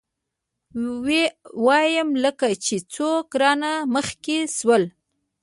ويم لکه چې څوک رانه مخکې شول.